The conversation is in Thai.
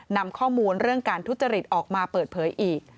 นำข้อมูลเรื่องการทุจริตออกมาเปิดเผยอีก